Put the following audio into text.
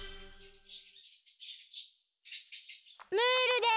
ムールです！